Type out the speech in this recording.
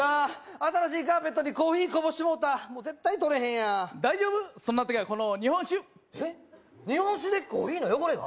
新しいカーペットにコーヒーこぼしてもうたもう絶対とれへんやん大丈夫そんな時はこの日本酒えっ日本酒でコーヒーの汚れが？